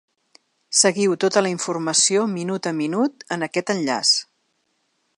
Seguiu tota la informació minut a minut en aquest enllaç.